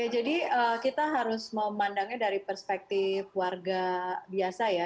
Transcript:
jadi kita harus memandangnya dari perspektif warga biasa ya